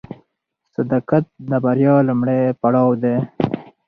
صداقت د بریا لومړی پړاو دی.